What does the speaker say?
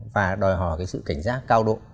và đòi hỏi cái sự cảnh giác cao độ